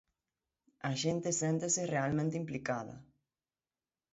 A xente séntese realmente implicada.